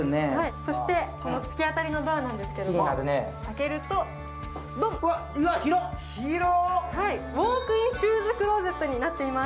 この突き当たりのドアですけれども、開けるとウォークインシューズクローゼットになっています。